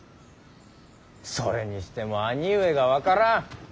それにしても兄上が分からん。